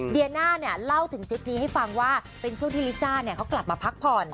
เดียน่าเนี่ยเล่าถึงคลิปนี้ให้ฟังว่าเป็นช่วงที่ลิซ่าเนี่ยเขากลับมาพักผ่อน